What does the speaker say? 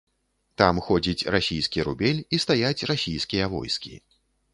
Там ходзіць расійскі рубель і стаяць расійскія войскі.